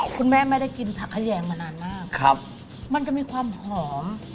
คุณแม่ไม่ได้กินผักขยงมานานมากครับมันก็มีความหอม